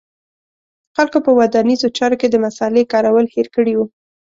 خلکو په ودانیزو چارو کې د مصالې کارول هېر کړي و